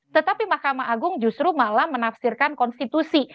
tetapi mahkamah agung justru malah menafsirkan konstitusi